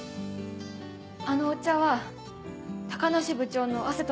あのお茶は高梨部長の汗と涙の。